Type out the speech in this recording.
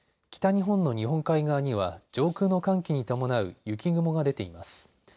北日本の日本海側には上空の寒気に伴う雪雲が出ています。